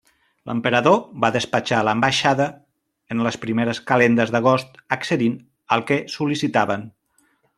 L'Emperador va despatxar l'ambaixada en les primeres calendes d'agost accedint al que sol·licitaven.